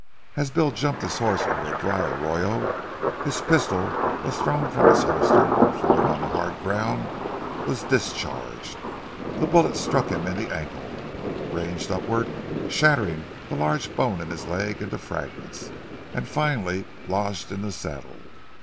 As Bill jumped his horse over a dry arroyo, his pistol was thrown from its holster, and, falling on the hard ground, was discharged. The bullet struck him in the ankle, ranged upward, shattering the large bone in his leg into fragments, and finally lodged in the saddle.